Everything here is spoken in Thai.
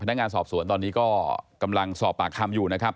นักงานสอบสวนตอนนี้ก็กำลังสอบปากคำอยู่นะครับ